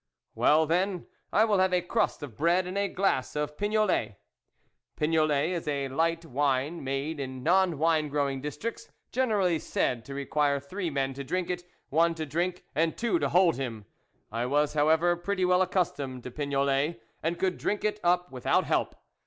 " Well, then, I will have a crust of bread and a glass ofpignolet." Pignolet is a light wine made in non winegrowing districts, generally said to require three men to drink it, one to drink, and two to hold him ; I was, however, pretty well accustomed to pigrolet, and could drink it up without help.